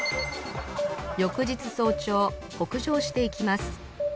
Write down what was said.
翌日早朝北上していきます